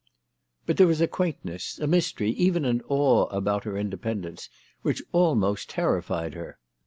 But there was a quaintness, a mystery, even an awe, about her independence which almost terrified her.